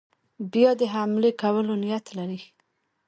بیا د حملې کولو نیت لري.